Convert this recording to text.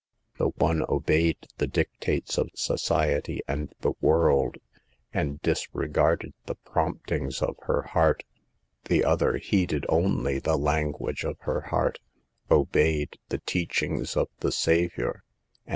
The one obeyed the dictates of society and the world, and disregarded the promptings of her heart ; the other heeded only the language of 6 122 SAVE THE GIRLS. her heart, obeyed the teachings of the Saviour, and